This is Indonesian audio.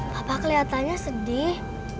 papi kelihatannya sedih